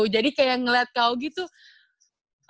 jadi kayak ngeliat ke augie tuh